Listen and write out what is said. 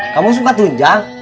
kamu suka tujang